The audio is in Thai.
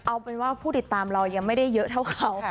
เอาเป็นว่าผู้ติดตามเรายังไม่ได้เยอะเท่าเขา